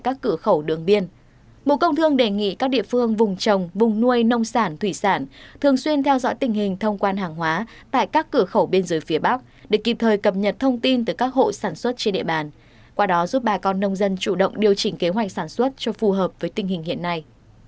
cục xuất nhập khẩu đề nghị sở công thương các tỉnh vùng trong vùng nuôi nông sản thủy sản chủ động nghiên cứu và thực hiện các nội dung nêu tại văn bản này